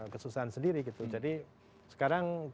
kesusahan sendiri gitu jadi sekarang